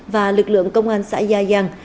và lực lượng công an xã gia giang